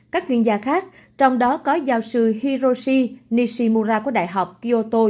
các chuyên gia khác trong đó có giáo sư hiroshi nishimura của đại học kyoto